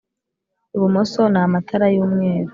ibumoso n' amatara y' umweru